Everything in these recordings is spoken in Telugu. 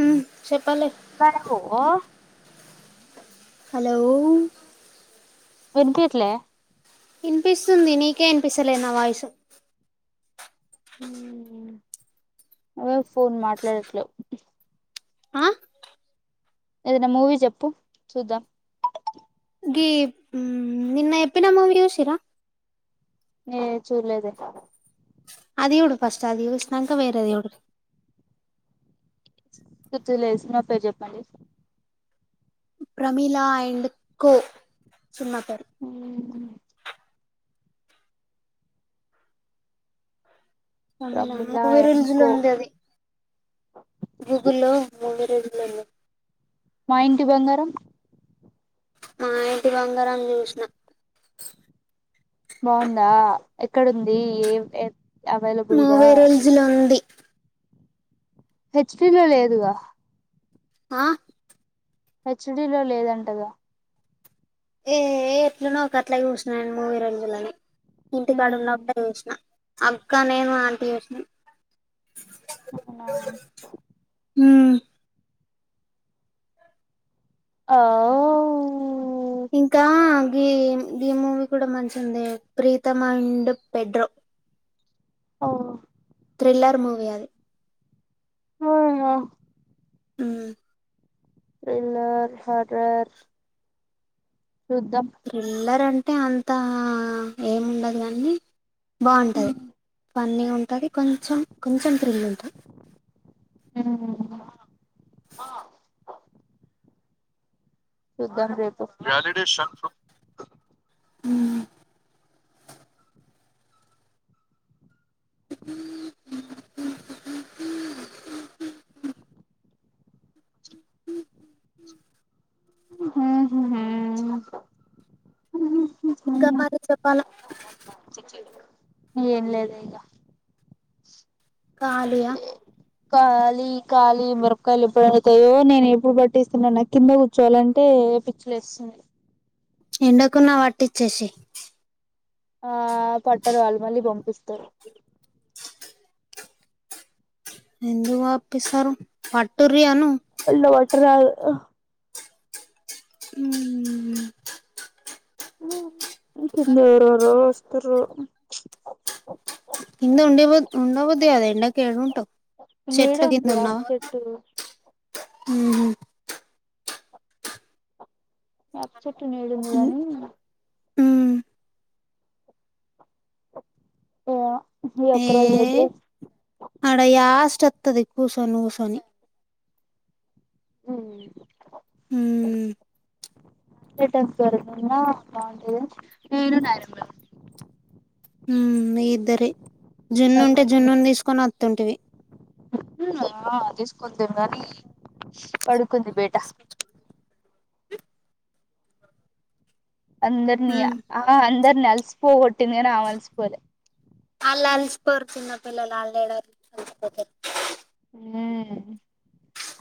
ఉహ్ చెప్పాలే సరే ఉహ్ ఓ హలో వినిపియట్లే ఇంపిసుంది నీకే ఇన్పిసలేదు నా వాయిసు ఉహ్ నువ్వే ఫోన్ మాట్లాట్ లేవ్ ఆ ఏదన్నా మూవీ చెప్పు చూద్దాం. గిప్ ఉహ్మ్ నిన్న ఎప్పినా మూవీ యుశిరా. ఏ చూలదే అది యూడు ఫస్ట్ అది యుశనాక వేరేద్ యుడ్ గుచ్చు లేశినా పేరు జేప్పండి. ప్రమీలా అయిండ్ కో చీమ్మా పేరు. ఉహుహ్ ప్రమిలా మూవీ అండ్ రూల్జ్ లో కో ఉంది అది గూగుల్లో మూవి రూల్జ్ లో ఉంది. మా ఇంటి బంగారం. మా ఇంటి బంగారం జూషనా. బావుందా ఎక్కడుంది యేవ్ ఏర్ మూవీ రూల్జ్ లో ఉంది. హెచ్‌ పి లో లేదుగా ఆ హెచ్ డి లో లేదంట గా ఏ ఏ ఎట్లునో ఒక అట్లా జూషనా నీన్ మూవీ రుజులనే ఇంటికాడ ఉన్నపుడే జూషనా. అక్క నేను ఆంటీ యూచనం. ఉహుహ్ ఉహ్ ఆ ఇంకా గీమ్ గీ మూవీ కూడా మంచి ఉందే ప్రీతమా అండ్ పెడ్రో ఓ థ్రిల్లర్ మూవీ అది ఓహమో ఉహ్ త్రిళ్ళర్ హర్రర్ చూద్దం త్రిల్లర్ అంటే అంత ఎం ఉండదు గానీ బాగుంటది పన్నీగా ఉంటది కొంచెం కొంచెం థ్రిల్ ఉంటది మ్ చూద్దాం రేపు మ్ ఉ [inaudible] [unintelligible] మ్ హు హు ఇంకా మరి చెప్పాలా ఏం లేదే ఈగ కాలీయా కాలి ఖాలి మీరకాలు ఎప్పుడు ఎందుతాయో నేను ఎప్పుడు పట్టిస్తనో కింద కూ ర్చోవాలంటే పిచ్చిలేస్తుంది ఎండకున్నా పట్టిచ్చేసేయ్ ఆ పట్టరళ్ళు మళ్ళీ పంపిస్తారు ఎందుకు పంపిస్తారు పట్టుర్రు అను అట్ల పట్టరాళ్లు మ్ కెళ్ళి ఎవరెవరో వస్తుళ్ళు కింద ఉండే ఉండా బుద్ది కాదు ఎండ కేడుంటవ్ నీడ చెట్ల కింద ఉంది వేప ఉన్నావా చెట్టు మ్ హు యాప చెట్టు నేడుంది హు కానీ మ్ అ ఈ ఒక్క రోజు అయితే అడ యస్ట్ ఓత్తది కూర్సోని ఊసోని మ్ ఉమ్ ట్ద బాగుంటది న మ్ మీ ఇద్దరే జున్ను ఉంటే జున్నునీ తీసుకొని ఓత్తుంటివి అ తీసుకొద్ధుని కానీ పడుకుంది బేట అందర్నీ ఉమ్ ఆ అందర్నీ అల్సి పోగోటింది కానీ ఆమె అలసి పోలె అళ్ళు అలిసిపోరు చిన్న పిల్లలు అళ్ళు ఏడ అలిసిపోతారు ఆ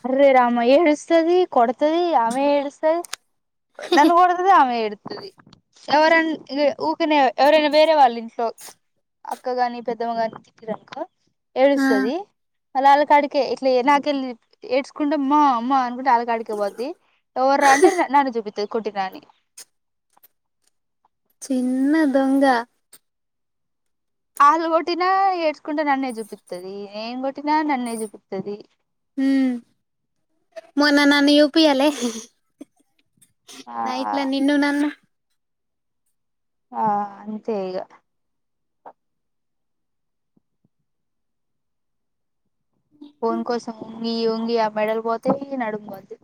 అర్రే రామ ఏల్స్స్తది కొడుతది ఆమె ఏడుస్తది నన్ను కోడుతది ఆమె ఏడుత్తది ఎవరన్ ఇగ్ ఊకనే ఎవరైనా వేరే వాళ్ళ ఇంట్లో అక్కగాని పెద్దమ్మ గాని తిప్పిరనుకో ఆ ఏడుస్తది మళ్ళ ఆళ్ళ కాడికే ఇట్లా నాకెళ్ళి ఏడ్చుకుంట మ మా అమ్మా అనుకుంట ఆళ్ళ కాడికే పోద్ది ఎవర్రా అంటే నన్ను చూపిత్తది కొట్టిన అని చిన్న దొంగ వాళ్ళు కొట్టినా ఏడ్చుకుంట నన్నే చూపిత్తది నేను కొట్టినా నన్నే చూపిత్తది మ్ మొన్న నన్ను చుపియ్యలే ఆ నైట్ల నిన్ను నన్ను ఆ అంతే ఈగ ఫోన్ కోసం వంగి వంగి ఆ మెడలు పోతయ్ నడుమ్ పోద్ది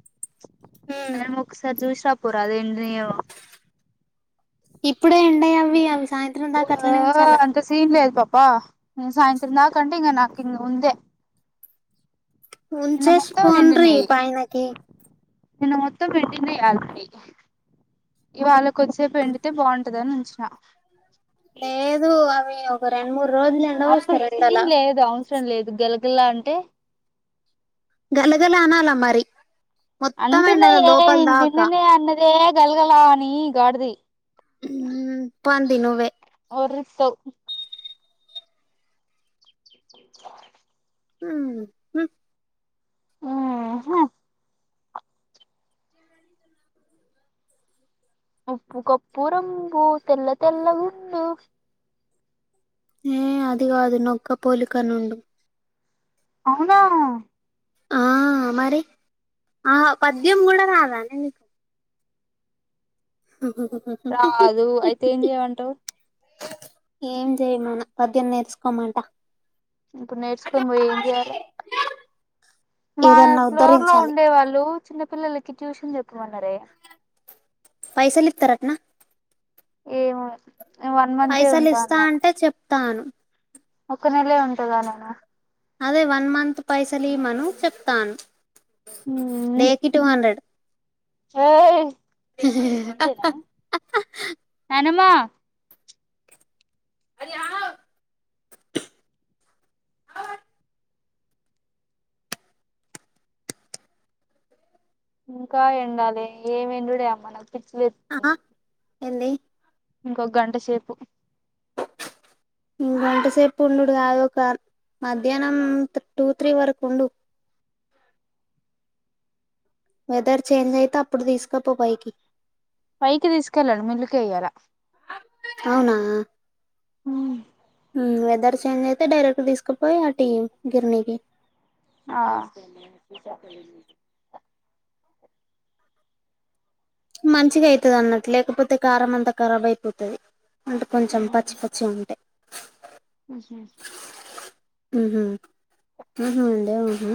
ఉమ్ ఒకసారి చూసి రాపోరాదు ఎండినయేమో ఇప్పుడు ఎండయ అవి అవి సాయంత్రం దాకా అట్లనే ఉంచాలా. ఇంత సీన్లే లేదు పాపా సాయంత్రం నా కంటే ఇ నాకు ఇ ఉందే నిన్న ఉంచేసి మొత్తం పొండ్రి ఎండినయి పయనకి నిన్న మొత్తం పెట్టింది ఇయాలకి ఇవాళ్ళ కొద్దిసేపు ఎండితే బావుంటదని ఉంచిన లేదు అవి ఒక రెండు మూడు రోజులు ఎండ వోస్తారు ఎండల దో అవసరం లేదు గలగల్లా అంటే? గల గల అనాల మరి మొత్తం ఎండల అంటున్నాయే లోపల ఏమి దాకా నిన్ననే అన్నదే గలగల అని గాడిది మ్ పంది నువ్వే ఉరిస్తావ్ హ ఉహు వచ్చింద ఉప్పు కప్పు రంబు తెల్ల తెల్ల గుండు ఏ అది కాదు నొక్క పోలిక నుండు అవునా ఆ మరి ఆహ పద్యం కూడా రాదానే నీకు మహ్హ్హ్హ్ రాదు అయితే ఏం చేయమంటావు ఏం చేయమాన్న పద్యం నేర్చుకోమంట ఇప్పుడు నేర్చుకొని పోయి ఏం చేయాలి మా ఏదన్నా ఫ్లోర్ లో ఉద్ధరించాలి ఉండే వాళ్ళు చిన్న పిల్లలకి ట్యూషన్ చెప్పమన్నారే పైసలు ఇతారట్నా ఏమో వన్ మంతే పైసలు ఉంటా ఇస్తా అంటే చెప్తాను ఒక నెల ఉంటగా నన్న అదే వన్ మంత్ పైసలు ఇయ్మను చెప్తాను డే కి టూ హండ్రెడ్ ఏ అంతేనా నానమ్మ అరే ఆవ్ ఇంకా ఎండాలే ఏం ఎండుడే అమ్మ నాకు పిచ్చిలే ఆహా ఎంది ఇంకొ గంట సేపు ఇంగంటసేపు ఉండుడు కాదు ఒక మధ్యాహ్నం టూ త్రీ వరకు ఉండు వెదర్ చేంజ్ అయితే అప్పుడు తీసుకపో పైకి పైకి తీసుకెళ్ళడు మిల్లుకె ఇయ్యాల అవునా మ్మ వెదర్ చేంజ్ అయితే డైరెక్ట్ తీసుకుపోయి ఆ టీ గిర్నీకి ఆ మంచిగా ఐతది అన్నట్టు లేకపోతే కారం అంతా ఖరాబ్ అయిపోతది అంటే కొంచెం పచ్చి పచ్చి ఉంటాయి నేన్ చేస్త ఉహు ఉహు లేవమ్మా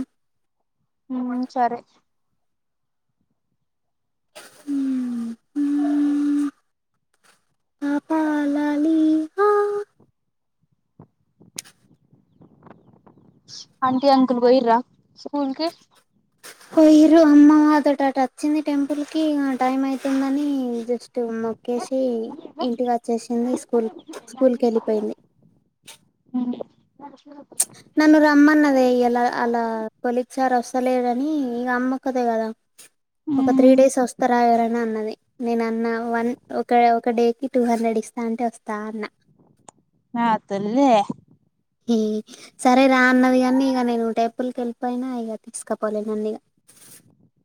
ఉ సరే ఉ ఉ హు పాపా లాలీ హ ఆంటీ అంకుల్ పోయిర స్కూల్ కి పోయిర్రు అమ్మ అటు మాతోటి వచ్చింది టెంపుల్ కి టైం అవుతుందని జస్ట్ ఉ మొక్కేసి ఇంటికి వచ్చేసింది స్కూల్ స్కూల్ కి వెళ్ళిపోయింది ఉ నన్ను రమ్మన్నదే ఇలా అలా కొలీగ్ సార్ వస్తలేడని ఇగ అమ్మ ఒక్కతే కదా ఒక త్రీ ఉమ్ డేస్ వస్తారా ఎవరైనా అన్నది నేన అన్న వన్ ఒక ఒక డేకి టూ హండ్రెడ్ ఇస్తా అంటే వస్తా అన్న నా తల్లే సరే రా అన్నది కానీ ఇక నేను టేపుల్కి వెళ్ళిపోయినా ఇగ తీసుకపోలే నన్ను ఇగ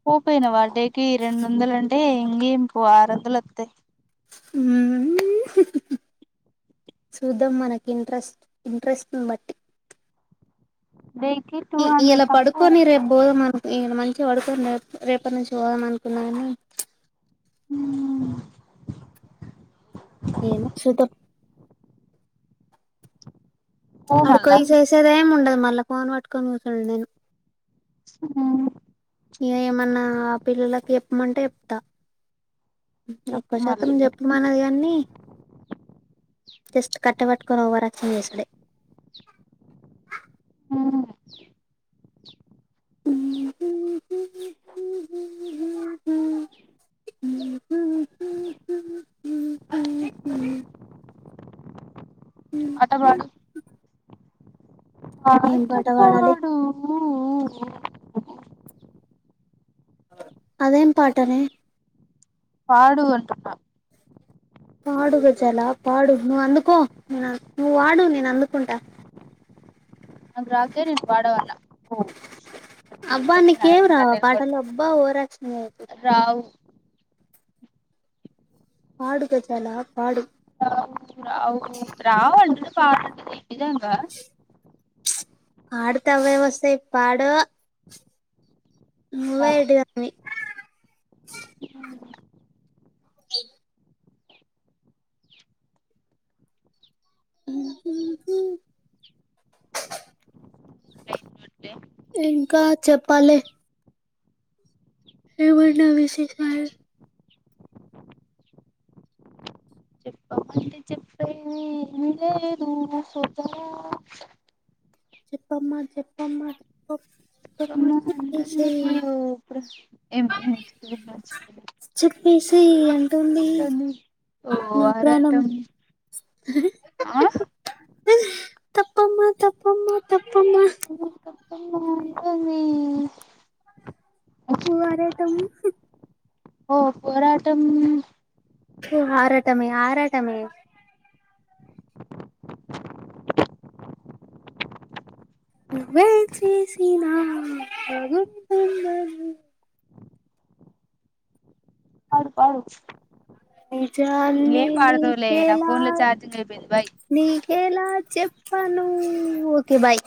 పోపోయివ్ డే కి రెండు వందలు అంటే ఇంకేం పో ఆరు వందలు వస్తాయి ఉహు చూద్దాం మనకి ఇంట్రెస్ట్ ఇంట్రెస్ట్ నీ బట్టి దేనికి ఇయాలా పడుకొని రేపు పోదామ అనుకో ఇ మంచిగా పడుకొని రే రేపటి నుంచి పోదాం అనుకున్నా గాని ఉ ఏమో చూద్దాం పో మళ్ళా ఆడకపోయి చేసేది ఏం ఉండదు మళ్ళ ఫోను పట్టుకొని కుసునుడే నేను ఉ ఇగ ఏమన్నా పిల్లలకి చెప్పమంటే చెప్తా చెప్పు ఎక్కువ శాతం మళ్ళీ చెప్ మనది కాన్ని జస్ట్ కట్ట పట్టుకొని ఓవరాక్షన్ చేసుడే ఉ ఉ ఉఉ ఊ కొంచెం పాట పాడు ఆ హా బాయ్ పాడాలి చెప్తాడు అదేం పాటనే పాడు అంటున్న పాడు గజాల పాడు నువ్వు అందుకో నే నువ్వు పాడు నేను అందుకుంటా ఆ గ్లాజరీ వాడం అల్లా ఓ షర్ట్ అబ్బా నీకు ఏమి రావా పాటలు అబ్బా ఓవరాక్షన్ చెయ్యకు రావు పాడుగాజాల పాడు రావు రావు రావు అంటే పాడమంటుంది ఇది ఏంది చ్ పాడుతే ఆవే వస్తాయి పాడు నువ్వే ఎడ్డి తప్పవి ఉ ఓ హా ఉ ఉ ఊ పైన రొట్టె ఇంకా చెప్పాలే ఏమన్న విశేషాలు హమ్ చెప్పమంటే చెప్పేది ఏమీ లేదు సోదర చెప్పమ్మా చెప్పమ్మా పొ అమో అంటుంది అయ్యో ఇపుడు ఏమో నెక్స్ట్ ది మర్చిపోయిన చెప్పేసెయ్ అంటుంది తను ఓ నా ప్రాణం ఆరాటం ఆ తప్పమ్మా తప్పమ్మా తప్పమ్మా ప్పమా తప్పమా అంటుంది ఓ వరటము ఓ పోరాటం ఏ ఆరాటమే ఆరాటమే నువ్వైం చేసిన బాగుంటుందని పాడు పాడు నిజాన్ని ఇంగేం పాడదువులే నా నీకేలా ఫోన్ లో ఛార్జింగ్ అయిపోయింది బాయ్ నీకేలా చెప్పను ఓకే బాయ్